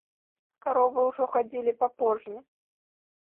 Каровы ўжо хадзілі па пожні.